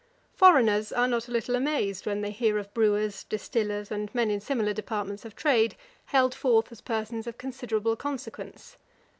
Foreigners are not a little amazed when they hear of brewers, distillers, and men in similar departments of trade, held forth as persons of considerable consequence.